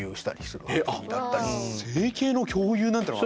整形の共有なんてのが。